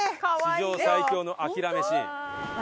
史上最強の諦めシーン。